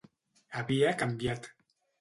Havia canviat.